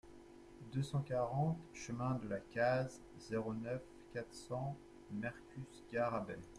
deux cent quarante chemin de la Caze, zéro neuf, quatre cents Mercus-Garrabet